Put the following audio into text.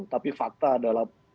tapi fakta adalah